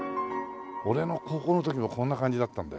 俺の高校の時もこんな感じだったんだよ。